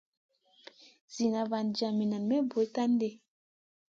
Zida vaŋ jami nen ma bura tahni.